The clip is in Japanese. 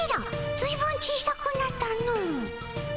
ずいぶん小さくなったの。